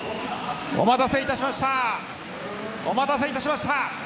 お待たせいたしました。